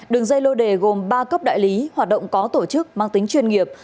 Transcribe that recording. đường dây gồm ba cấp đại lý hoạt động có tổ chức mang tính chuyên nghiệp